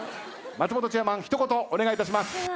松本チェアマン一言お願いします。